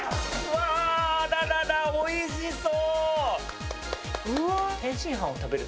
わああらららおいしそう！